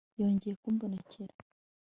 yongeye kumbonekera